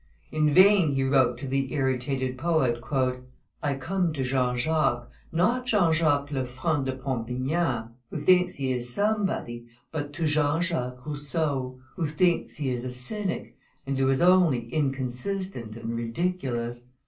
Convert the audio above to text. In vain he wrote to the irritated poet: "I come to Jean Jacques, not Jean Jacques Lefranc de Pompignan, who thinks he is somebody, but to Jean Jacques Rousseau, who thinks be is a cynic, and who is only inconsistent and ridiculous.